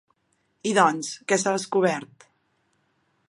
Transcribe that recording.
I doncs, què s'ha descobert?